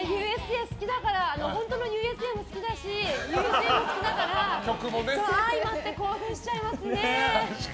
本当のＵＳＡも好きだし「Ｕ．Ｓ．Ａ．」も好きだから相まって興奮しちゃいますね。